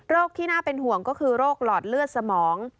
ที่น่าเป็นห่วงก็คือโรคหลอดเลือดสมอง